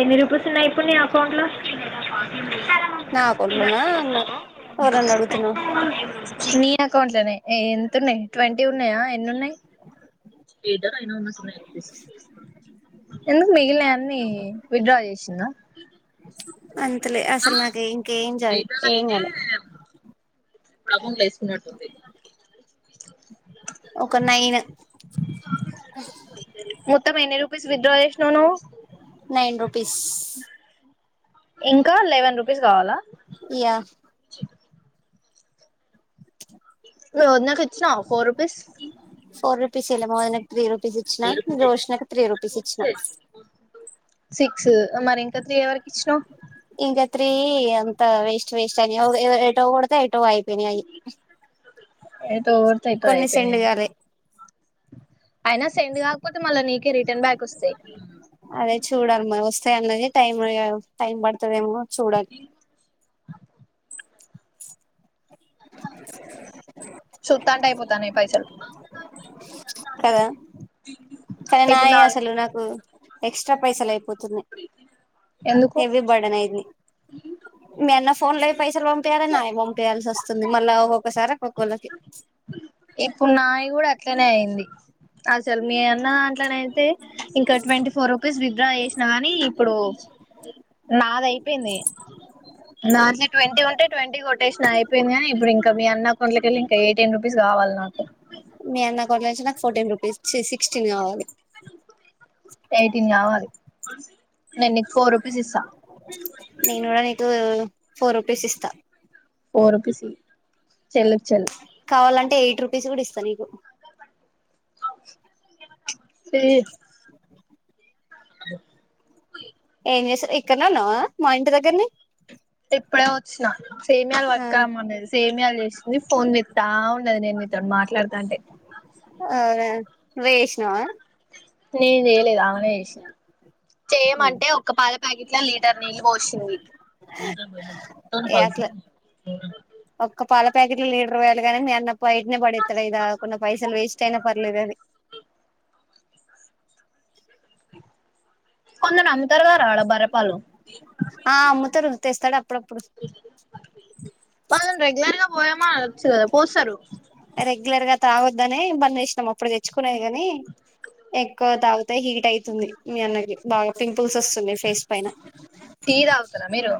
ఎన్ని రూపీసు ఉన్నాయి ఇప్పుడు నీ ఏకౌంట్లో నా కొ అ నువ్వు నన్ను అడుగుతున్నావ్ ఎంతున్నాయి ట్వంటీ ఉన్నాయా ఎన్నిన్నాయి లేద అయినా ఉన్న సన్నా ఎందుకు మిగిలిన అన్ని విత్ డ్రా చేసిందా అంతలే అసలు నాకు ఇంకా ఎంజాయ్ ఏం కాదు అంకౌట్ లో వేసుకున్నట్టు ఉంది ఒక నైన్ మొత్తం ఎన్ని రూపిస్ విత్ డ్రా చేసినవ్ నువ్వు నైన్ రూపీస్ ఇంకా లెవెన్ రూపీస్ కావాలా యా రోషనా కి ఇచ్చినావా ఫోర్ రూపీస్ ఫోర్ రూపీస్ ఇళ్ళా మామయ్య త్రీ రూపీస్ ఇచ్చినా రోషనకి త్రీ రుపీస్ ఇచ్చినా సిక్స్ మరి ఇంకా త్రీ ఎవరకి ఇచ్చిన్నావ్ ఇగ త్రీ అంత వేస్ట్ వేస్ట్ అని ఎటో కోడితే ఎట్టో అయిపోయిన్నాయి అయి ఎట్టో కోడితే ఎట్టో కొన్ని సెండ్ అయిపోయిన్నియా కాలే అయినా సెండ్ కాకపోతే మళ్ళా నీకు రిటర్న్ బ్యాక్ వస్తాయి చాయా అన్నది టైం టైం పడుతుందేమో చూడాలి చూతాంటే అయిపోతాన్నాయి పైసలు కదా కానీ ఇప్పుడు నాయి నాలుగు అసలు నాకు ఎక్స్ట్రా పైసలు అయిపోతన్నాయి తున్నాయి ఎందుకు హెవి బడెన్ అయితాంది మీ అన్న వ ఫోన్ లో పైసలు పంపేయాలి నాయే పంపేయాల్సి వస్తుంది మళ్ళీ ఒక్కొక్కసారి ఒక్కొక్కళ్ళకి ఇప్పుడు నాయి కూడా అట్లనే అయింది అసలు మీ అన్న అట్నయితే ఇంకా ట్వంటీ ఫోర్ రూపీస్ విత్డ్రా చే నాని ఇప్పుడు నాదీ అయిపోయింది నాది ట్వంటీ ఉంటే ట్వంటీ కొట్టేసిన అయిపోయింది కానీ ఇప్పుడు ఇంకా మీ అన్న అకౌంట్ లోకి వెళ్లి ఎయిటీన్ రూపీస్ కావాలి నా నాకు మీ అన్న అకౌంట్ లోంచి నాకు ఫోర్టీన్ రూపీస్ ఛీ సిక్స్టెన్ కావాలి ఎయిటీన్ కావాలి నేన్ నీకు ఫోర్ రూపీస్ ఇస్తా నేను కూడా నీకు ఫోర్ రూపీస్ ఇస్తా ఫోర్ రూపీస్ ఈ కావాలంటే ఎయిట్ రూపీస్ కూడా ఇస్త నీకు ఫేజ్ ఏం చేస్తూ ఇక్కడనే ఉన్నావ మా ఇంటి దగ్గర్నె ఇప్పుడే వచ్చినా సేమియాలు పక్కరా అవునా రమ్మంది సేమియాలు చేసింది ఫోన్ చూస్తా నాది నేను మీతో మాట్లాడుతా అంటే న్వువే చేసినవా నేన్ చేయలేదు ఆమె నే చేసింది చేయమంటే ఒక పాల ప్యాకెట్ ల లీటర్ నీళ్ళు పోసింది లిటర్ లో మొత్తం ఏ పల్సమ్ ప్యాకెట్ లో లీటర్ పోయాలి కానీ మీ అన్న బయటనే పడేతాడు అయి దాకుండా పైసలు వేస్ట్ అయినా పర్లేదు అది కొందరు అమ్ముతారు కదా ఆడ బర్రె పాలు ఆ అమ్ముతరు తెస్తాడు అప్పుడుప్పు వాళ్ళను రెగ్యులర్ గా పోయామానొచ్చు కదా పోస్తరు రెగ్యులర్ గా తాగొద్దని బంద్ చెసినాం అప్పుడు తెచ్చుకునేది కాని ఎక్కువ తాగుతే హీట్ అయితుంది మీ అన్నకి బాగా పింపుల్స్ వస్తున్నాయి ఫేస్ పైన టీ తాగుతరా మీరు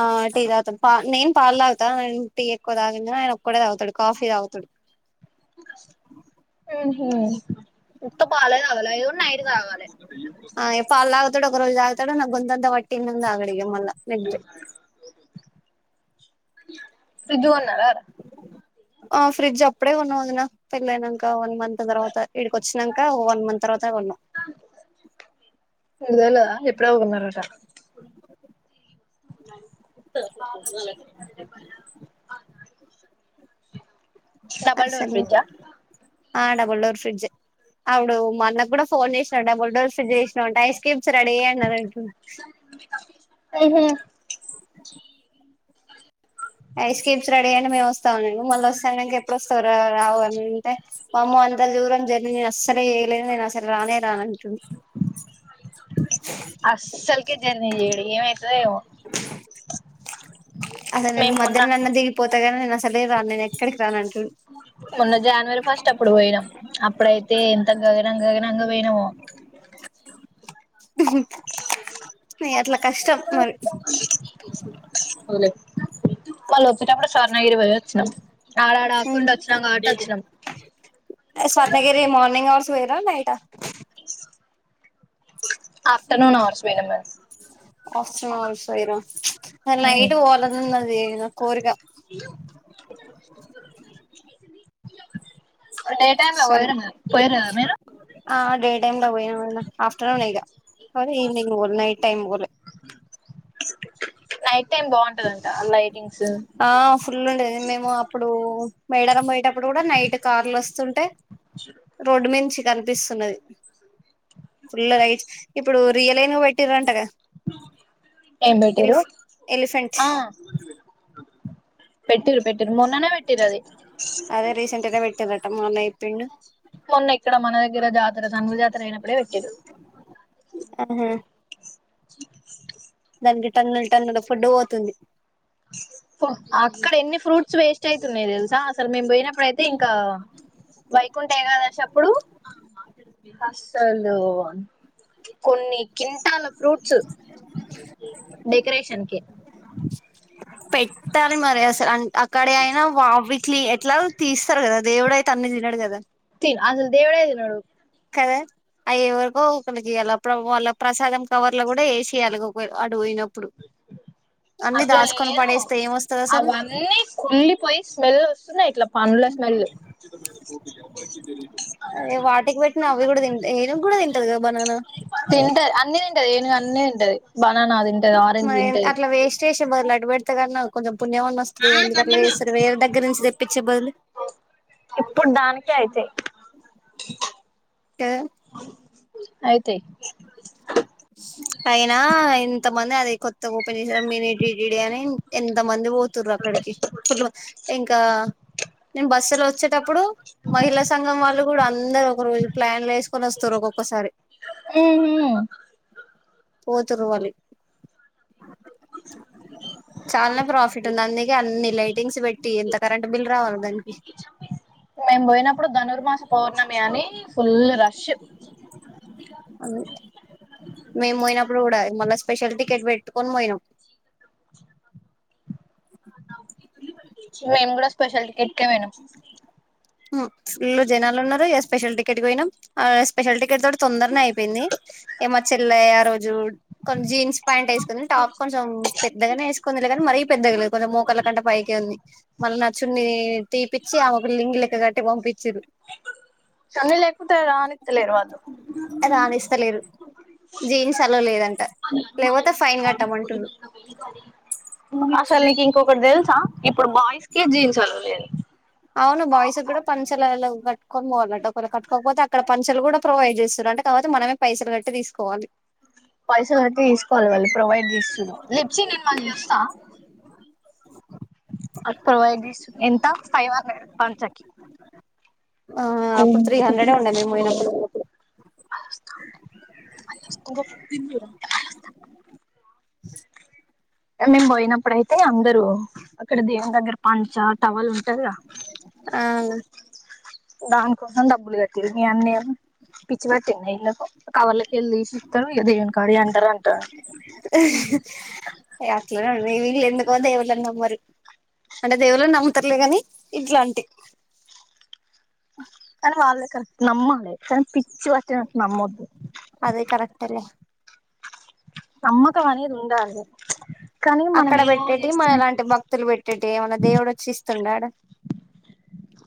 ఆ టీ తాగుతాము పా నేను పాల్ తాగుతా టీ ఎక్కువ తాగిన ఆయన ఒక్కడే తాగుతాడు కాఫీ తాగుతాడు మ్ హు ఉత్త పాలే తాగాలా అది కూడ నైట్ తాగాలి గోంతత వట్టింది అని తగాడు ఇగ మల్ల నెగే ఫ్రిడ్జ్ కొన్నారారా ఆ ఫ్రిడ్జ్ అప్పుడే కొన్నా వదిన పెళ్ళైనక వన్ మంత్ తర్వాత ఇడికి వచ్చానాక వన్ మంత్ తర్వాత కొన్నాం దా ఎప్పుడో కొన్నారట డబుల్ డోర్ అసలు ఫ్రిడ్జ్ అ ఆ డబుల్ డోర్ ఫ్రిడ్జ్ అప్పుడు మ అన్న కీ కూడా ఫోన్ చేసినా డబుల్డోర్ ఫ్రిడ్జ్ చేసినావు అంటే ఐస్ క్యూబ్ రెడీ అయినదంటూ ఉహు ఐస్ క్యూబ్స్ రెడీ అని మేము వస్తా అని అన్నాడు మళ్ళ వస్త అన్నాక ఎప్పుడోస్తావ్ రావు అంటే వామ్మో అంత దూరం జర్నీ నేను అస్సలే వేయలేను నేను అసలు రానే రాను అంటుండు అస్సల కీ జర్నీ చేయడు ఏమి త ఏమో అసలు మేము మొన్న తాను నేను ఎక్కడికి రానంటుండు మొన్న జనవరి ఫస్ట్ అప్పుడు పోయినాం అప్పుడైతే ఎంత గగనం గగనంగా పోయినమో అయ్ అట్ల కష్టం మరి ఓలే వాళ్ళ వచ్చేటప్పుడు స్వర్ణగిరి పోయి వచ్చిన ఉమ్ స్వర్ణగిరి మార్నింగ్ హౌర్స్ పోయిరా నైట్ ట ఆఫ్టర్నూన్ అవర్స్ పోయినాం మేం ఆఫ్టర్నూన్స్ పోయిరా నాకు మేము నైట్ పోవాలని ఉన్నది నా కోరిక [inaudible] [inaudible] డే టైం లా సో పోయి పోయిర్రా మీరు టై లో పోయినం ఆఫ్టర్నూన్ ఇగ ఈవినింగ్ పోలే నైట్ టైమ్ పోలే ఉంటదంట అల్లా ఆ ఫుల్లు ఉండేది మేము అప్పుడు మేడారం పోయేటప్పుడు కూడా నైట్ కార్ల వస్తు రోడ్డు మించి కనిపిస్తున్నది ఫుల్ లైట్స్ ఇప్పుడు రీయ్యలేనుగు పెట్టిరంటగా ఏం పెట్టిరు ఎలిఫ్ ఎలిఫెంట్ ఆ పెట్టిర్రు పెట్టిర్రు మొన్ననే పెట్టిర్రు అది పిండు మొన్న ఇక్కడ మన దగ్గర జాతర సన్నూరు జాతర అయినప్పుడే పెట్టిరు ఆహా [inaudible] దానికి టన్నుల్ టన్నుల ఫుడ్డు పోతుంది అక్కడ ఎన్ని ఫ్రూట్స్ వేస్ట్ అయితున్నాయి తెలుసా అసలు మేము పోయిన అప్పుడైతే ఇంకా వైకుంఠ ఏకాదశి అప్పుడు అస్సలు కొన్ని కింటాల ఫ్రూట్స్ డెకరేషన్ కి పెట్టాలి మరి అసలు అక్కడయి అయినా వావి ట్లీ ఎట్లాగు తీస్తారు కదా దేవుడయితే అన్ని తినడు కదా తిన్ అసలు దేవుడే తినడు కదా అయ్యే ఎవరికో ఒకళ్ళకి ఇయ్యాల అప్పుడప్పుడు వాళ్ళ ప్రసాదం కవర్లు కూడా వేసేయ్యాలి ఒక అటు పోయినప్పుడు అన్ని అట్లా దాసుకొని లేదు పడేస్తే ఏమొస్తది అసలు అవన్నీ కుళ్లిపోయి స్మెల్ వస్తున్నాయి ఇట్లా పండ్ల స్మెల్ అదే వాటికి పేట్ తింటారు అన్ని తింటది ఏనుగు అన్ని టది బనానా తింటది, ఆరెంజ్ మరి తింటది అట్లా వేస్ట్ చేసే బదులు అటు పెడితే కన్నా కొంచెం పుణ్యమన్న వస్తదిగా ఎందుకట్లా చేస్తారు వేరే దగ్గర నుంచి తెప్పించే బదులు ఇప్పుడు దానికే [inaudible] టే అయితే అయినా ఇంత మంది అది కొత్తగా ఓపెన్ చేసిర్రు మీని డిడిడి అని ఎంత మంది పోతుర్రు అక్కడికి ఫుల్ ఇంకా నేను బస్సులో వచ్చేటప్పుడు మహిళా సంఘం వాళ్ళు కూడా అ అందరు ఒక రోజు ప్లాన్లు వేసుకొని వస్తుంర్రు ఒక్కొక్కసారి పోతుర్రు వాళ్లు చాలానే ప్రాఫిట్ ఉంది అందుకి అన్ని లైటింగ్స్ పెట్టి ఎంత కరెంట్ బిల్ రావాలి దానికి [inaudible] నేను పోయినప్పుడు ధనుర్మాస పౌర్ణమి ఫుల్లు రష్షు మేము పోయినప్పుడు కూడా మళ్ళ స్పెషల్ టికెట్ పెట్టుకొని పోయినాం మేము కూడా స్పెషల్ టికెట్కే పోయినం ఫుల్లు జనాలు ఉన్నారు స్పెషల్ టికెట్కి పోయినాం ఆ స్పెషల్ టికెట్ తోటి తొందరనే అయిపోయింది ఏమ చెల్లె ఆ రోజు కొంచం జీన్స్ ప్యాంట్ వేసుకుంది టాప్ కొంచెం పెద్దగానే వేసుకుంది లే కానీ మరీ పెద్దగా లేదు కొంచెం మోకల కంట పైకే ఉంది మళ్ళ నా చున్నీ తీపి చ్చి ఆమెకు లుంగీ లెక్క కట్టి పంపించిర్రు సన్నల్ ఎకుత రానితలే వాళ్ళు రానిస్తలేరు జీన్స్ అలో లేదంట లేకపోతే ఫైన్ కట్టమంటుడు అసలు నీకు ఇంకొకటి తెలుసా ఇప్పుడు బాయ్స్ కి జీన్స్ ఆలో లేదు కొన్ బోలుట ఒకరు కట్టుకోకపోతే అక్కడ పనుంచలు కూడా ప్రొవైడ్ చేస్తారు అంటే కాబపోటి మనమే పైసలు కట్టి తీసుకోవాలి పైసలు అయితే తీసుకోవాలి మళ్ళీ ప్రొవైడ్ చేస్తున్నా లేప్చి నేను మళ్ళీ చస్తా అ ప్రొవైడ్ చేస్తు ఎంత ఫైవ్ హండ్రెడ్ పంచకి ఆ అప్పుడు త్రీ హండ్రెడే ఉండె మేము పోయినప్పుడు తిందువు రా ప్చ్ మేము పోయినప్పుడయితే అందరుూ అక్కడ దేవుని దగ్గర పంచ టవల్ ఉంట ఆ దానికోసం డబ్బులు కట్టింది మీ అన్న పిచ్చి పట్టిందా వీళ్ళకు కవర్లకి కెళ్ళి తీసి ఇస్తరు ఇగ దేవని కాడ అంటారు అంటాడు అట్లనే న వీళ్ ఎందుకో దేవుళ్ళను నమ్మరు అంటే దేవుళ్లనమ్ముతారు లే గని ఇట్లాంటి వాళ్లే కరెక్ట్ నమ్మాలి కానీ పిచ్చి పట్టినట్టు నమ్మద్దు అదే కరెక్టే లే నమ్మకం అనేది ఉండాలె అక్కడ పెట్టేటి మన ఇలాంటి భక్తులు పెట్టేటి ఏమైన్నా దేవుడు వచ్చి ఇస్తున్ద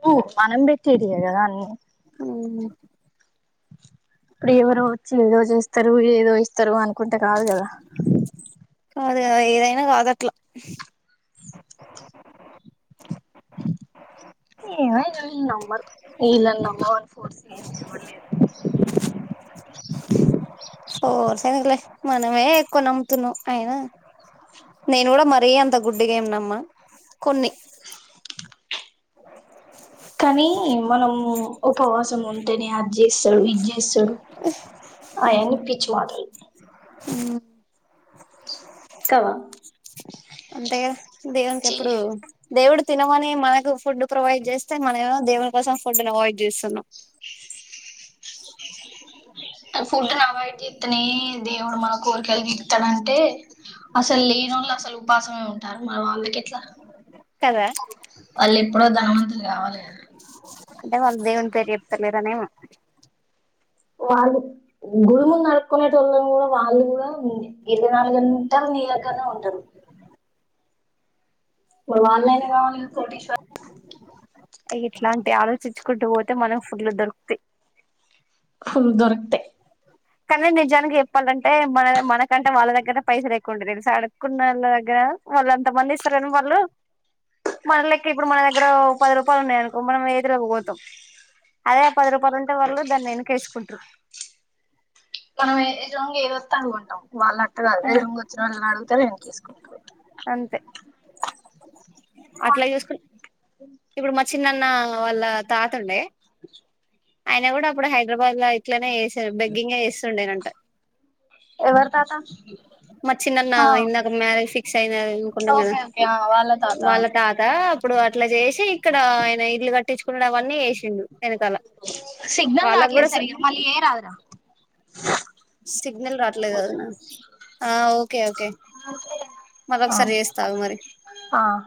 బో మనం పెట్టేటివి కదా అన్ని అఓ ఇప్పుడు ఎవరు వచ్చి ఏదో చేస్తారు ఏదో ఇస్త ఇస్తరు అనుకుంటే కాదు కదా కాదు ఏదైనా కాదట్లా ఏమో గాని నమ్మరు వీళ్ళు నమ్మమని ఫోర్సు చేసేది కూడా లేదు ఫోర్ ఎందుకులే మనమే ఎక్కువ నమ్ముతున్నా అయినా నేను కూడా మరీ అంత గుడ్డి గా ఏమనమ్మా కొన్ని కానీ మనం ఉపవాసం ఉంటేనే అది చేస్తాడు ఇది చేస్తాడు అయన్ని పిచ్చి మాటలు కాదా అంతే కదా దేవునికి ఎప్పుడు దేవుడు తినమని మనకు ఫుడ్ ప్రొవైడ్ చేస్తే మనమమో దేవుని కోసం ఫుడ్ ప్రొవైడ్ చేస్తున్నాం ఫుడ్ అవాయిడ్ చేస్తానే దేవుడు మన కోరికలు తీర్తడంటే అసలు లేన వాళ్ళు అసలు ఉపాసమే ఉంటారు మన వాళ్ళకి ఎట్లా కదా వాళ్ళు ఎప్పుడో ధనవంతుులు కావాలి కదా అంటే వాళ్ళ దేవుని పేరు చెప్తలేదనేమో వాళు గుడి ముందు అడుక్కునే టోళ్లు గూడా కూడా వాళ కూడా ఇర నాలుగంటలు డి దగ్గర్నే ఉంటారు ఉంటరు వాల్లు అయినా కావాలి కదా కోటీశ్వరులు ఇట్లాంటి ఆలోచించుకుంటూ పోతే మనకు ఫుడ్లు దొరుకుతాయి ఫుల్ దొరకతే కానీ నిజానికి చెప్పాలంటే మన మనకంటే వాళ్ళ దగ్గర పైస లేకుంండదు తెలుసి అడుక్కున్న వాళ్ళ దగ్గర వాళ్ళు ఎంత మంది ఇస్తారేని వాళ్ళు మన లెక్కకి ఇప్పుడు మన దగ్గర పది రూపాయలు ఉన్నాయ అనుకో మనం ఏతులకు పోతాం అదే పది రూపాయలు ఉంటే వాల్ళ దాన్ని ననుకేసుకుంట్రు మనం ఏజ రంగు ఏదొస్త అడుగుకుంటాం వాళ్ళు అట్ట కాదు ఆ ఎదురుగ వచ్చిన వాళ్ళని అడుగుతారు ఏనుకేసుకుంటరు అంతే అట్లా చూసుకుని ఇప్పుడు మా చిన్నన్న వాళ్ళ తాతండే ఆయన కూడా అప్పుడు హైదరాబాద్ లో ఇట్లనే చేసే బెగ్గింగ్ చేస్తుండేనంట ఎవరు తాత మా చిన్నన్న ఆ ఇందాక మ్యారేజ్ ఫిక్స్ అయిన అనుకుంటాం కదా ఓకే ఓకే ఆ వాళ్ళ తాత వాళ్ళ తాత అప్పుడు అట్లా చేసి ఇక్కడ ఆయన ఇల్లు కట్టించుకునుడు అవన్నీ చేసిండు వెనకాల సిగ్నల్ వాళ్ళకి కూడా రాట్లేదు స సరిగా మళ్ళీ ఏ రాదురా సిగ్నల్ రాట్లేదు కదనా ఆ ఓకే ఓకే మళ్ళ ఆ ఒకసారి చేస్తా ఆగు మరి ఆ